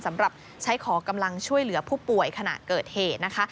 สำหรับใช้ขอกำลังช่วยเหลือผู้ป่วยขณะเกิดเหตุนะคะ